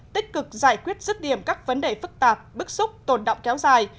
tích cực giải quyết dứt điểm các vấn đề phức tạp bức xúc tồn đọng kéo dài